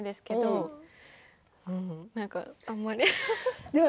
なんか、あんまり。